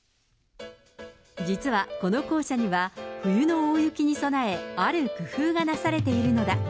実はこの校舎には、冬の大雪に備え、ある工夫がなされているのだ。